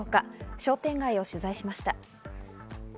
商店街を取材しました。